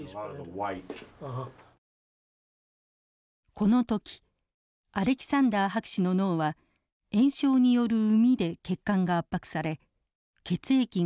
この時アレキサンダー博士の脳は炎症による膿で血管が圧迫され血液が流れなくなっていました。